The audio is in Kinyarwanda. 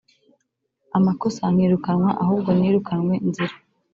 amakosa nkirukanwa ahubwo nirukanwe nzira